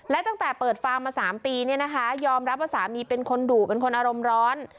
และตั้งแต่เปิดฟาร์มมา๓ปีเนี่ยนะคะยอมรับว่าสามีเป็นคนดุเป็นคนอารมณ์ร้อน